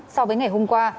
so với ngày hôm qua